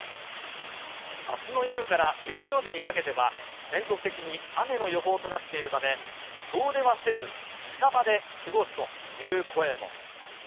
あすの夜から月曜日にかけては、全国的に雨の予報となっているため、遠出はせず、近場で過ごすという声も。